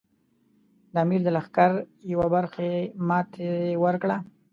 د امیر د لښکر یوې برخې ماته وکړه.